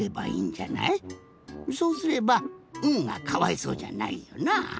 そうすれば「ん」がかわいそうじゃないよな。